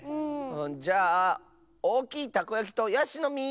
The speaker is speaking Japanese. じゃあおおきいたこやきとやしのみ！